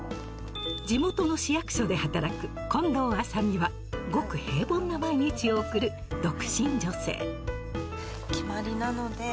地元の市役所で働く近藤麻美はごく平凡な毎日を送る独身女性決まりなので。